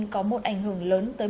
có một ảnh hưởng lớn tới